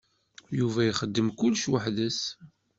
Yuba ixeddem kullec weḥd-s.